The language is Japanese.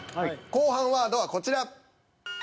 後半ワードはこちら。